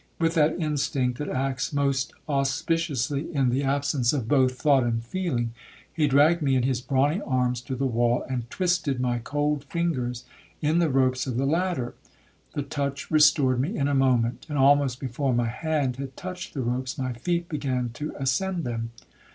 With that instinct that acts most auspiciously in the absence of both thought and feeling, he dragged me in his brawny arms to the wall, and twisted my cold fingers in the ropes of the ladder. The touch restored me in a moment; and, almost before my hand had touched the ropes, my feet began to ascend them.